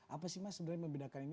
apa sih mas sebenarnya membedakan ini